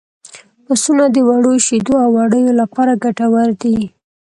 پسونه د وړو شیدو او وړیو لپاره ګټور دي.